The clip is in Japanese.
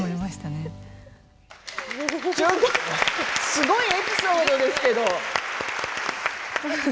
すごいエピソードですけれども。